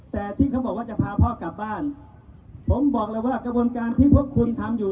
แต่ที่เขาบอกว่าจะพาพ่อกลับบ้านผมบอกเลยว่ากระบวนการที่พวกคุณทำอยู่